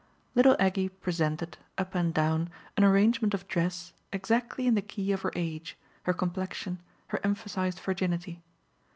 Little Aggie presented, up and down, an arrangement of dress exactly in the key of her age, her complexion, her emphasised virginity.